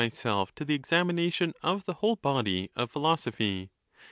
213 self to the examination of the whole body of philosophy.